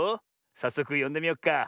さっそくよんでみよっか。